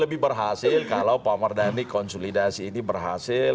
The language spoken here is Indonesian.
lebih berhasil kalau pak mardhani konsolidasi ini berhasil